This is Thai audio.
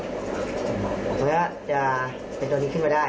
เพราะฉะนั้นจะเป็นตัวนี้ขึ้นมาได้